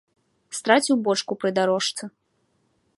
Страціў бочку пры дарожцы!